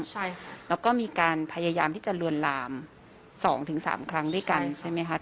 ใช่ค่ะแล้วก็มีการพยายามที่จะลวนลาม๒๓ครั้งด้วยกันใช่ไหมคะ